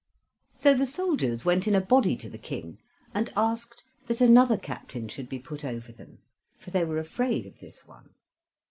So the soldiers went in a body to the King and asked that another captain should be put over them, for they were afraid of this one.